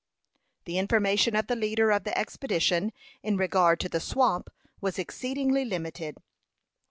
The information of the leader of the expedition in regard to the swamp was exceedingly limited.